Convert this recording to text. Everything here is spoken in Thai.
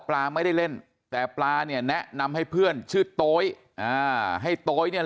ปลาไม่ได้เล่นแต่ปลาเนี่ยแนะนำให้เพื่อนชื่อโต๊ยอ่าให้โต๊ยเนี่ย